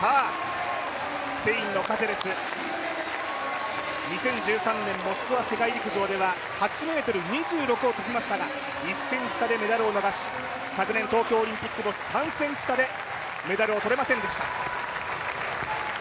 スペインのカセレス、２０１３年モスクワ世界陸上では８ｍ２６を跳びましたが１ｃｍ差でメダルを逃し昨年、東京オリンピックも３ｃｍ差でメダルを取れませんでした。